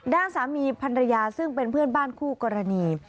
ด้านสามีพันรยาซึ่งเป็นเพื่อนบ้านคู่กรณี